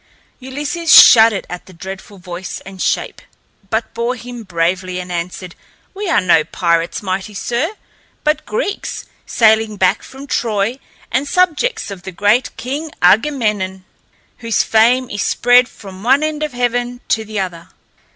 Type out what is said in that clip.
Ulysses shuddered at the dreadful voice and shape, but bore him bravely, and answered, "We are no pirates, mighty sir, but Greeks, sailing back from Troy, and subjects of the great King Agamemnon, whose fame is spread from one end of heaven to the other.